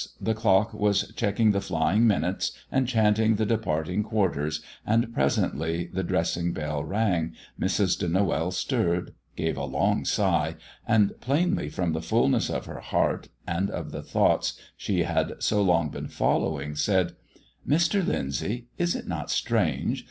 the clock was checking the flying minutes and chanting the departing quarters, and presently the dressing bell rang, Mrs. de Noël stirred, gave a long sigh, and, plainly from the fulness of her heart and of the thoughts she had so long been following, said "Mr. Lyndsay, is it not strange?